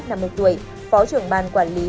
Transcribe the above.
năm một tuổi phó trưởng ban quản lý